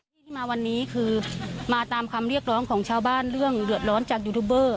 ที่ที่มาวันนี้คือมาตามคำเรียกร้องของชาวบ้านเรื่องเดือดร้อนจากยูทูบเบอร์